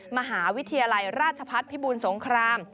มหาวิทยาลัยราชพัฒน์พิบูลสงคราม